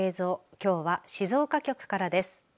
きょうは静岡局からです。